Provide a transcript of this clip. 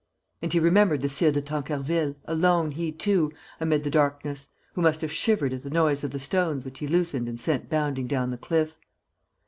And he remembered the Sire de Tancarville, alone, he too, amid the darkness, who must have shivered at the noise of the stones which he loosened and sent bounding down the cliff.